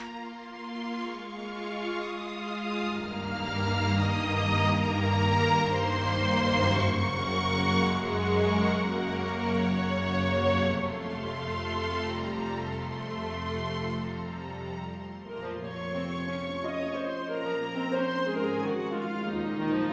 sebelum itu aku dibahas tentang hal laku yang sebenarnya muslim